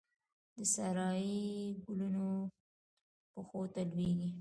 د سارايي ګلونو پښو ته لویږې